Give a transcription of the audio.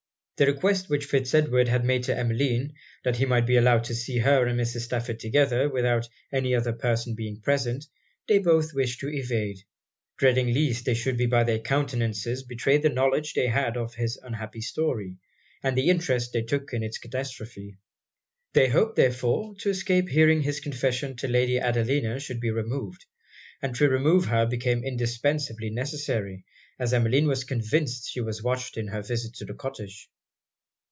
The request which Fitz Edward had made to Emmeline, that he might be allowed to see her and Mrs. Stafford together, without any other person being present, they both wished to evade; dreading least they should by their countenances betray the knowledge they had of his unhappy story, and the interest they took in it's catastrophe. They hoped, therefore, to escape hearing his confession till Lady Adelina should be removed and to remove her became indispensibly necessary, as Emmeline was convinced she was watched in her visits to the cottage.